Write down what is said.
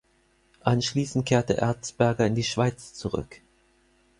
Anschließend kehrte Erzberger in die Schweiz zurück.